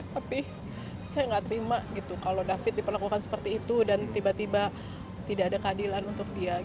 tapi saya nggak terima gitu kalau david diperlakukan seperti itu dan tiba tiba tidak ada keadilan untuk dia